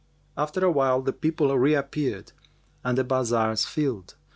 After awhile, the people reappeared and the bazars filled.